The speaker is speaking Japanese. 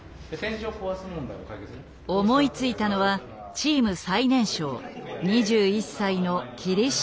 思いついたのはチーム最年少２１歳の霧下大喜。